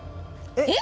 えっ？